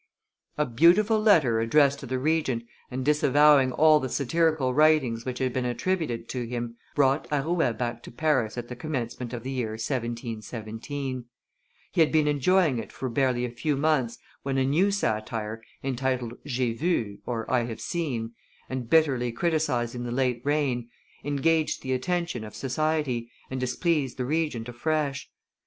A beautiful letter addressed to the Regent and disavowing all the satirical writings which had been attributed to him, brought Arouet back to Paris at the commencement of the year 1717; he had been enjoying it for barely a few months when a new satire, entitled J'ai vu (I have seen), and bitterly criticising the late reign, engaged the attention of society, and displeased the Regent afresh.